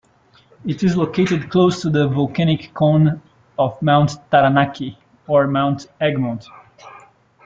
It is located close to the volcanic cone of Mount Taranaki or Mount Egmont.